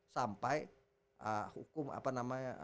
sampai hukum apa namanya